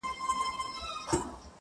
حقیقت در څخه نه سم پټولای؛